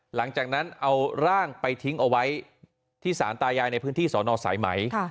หลังจากนั้นเอาร่างไปทิ้งเอาไว้ที่สารตายายในพื้นที่สอนอสายไหม